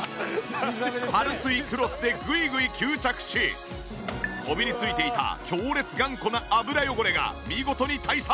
パルスイクロスでぐいぐい吸着しこびり付いていた強烈頑固な油汚れが見事に退散！